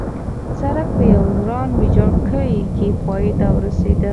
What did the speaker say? سړک په یو وران ویجاړ کلي کې پای ته رسېده.